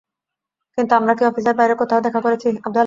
কিন্তু আমরা কি অফিসের বাইরে কোথাও দেখা করেছি?